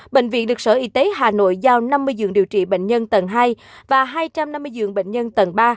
bệnh viện được sở y tế hà nội giao năm mươi giường điều trị bệnh nhân tầng hai và hai trăm năm mươi giường bệnh nhân tầng ba